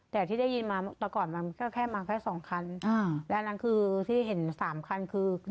แต่ที่ได้ยินมาแต่ก่อนมันก็แค่มาแค่สองคันอ่าและอันนั้นคือที่เห็นสามคันคือ